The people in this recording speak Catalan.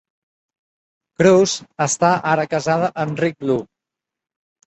Crouse està ara casada amb Rick Blue.